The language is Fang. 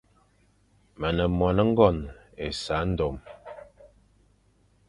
Me ne moan ngone essandone.